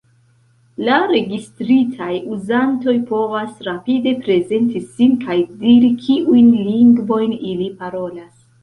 La registritaj uzantoj povas rapide prezenti sin kaj diri kiujn lingvojn ili parolas.